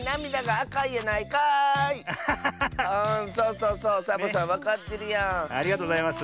ありがとうございます。